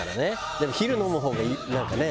でも昼飲む方がなんかね。